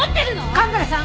蒲原さん！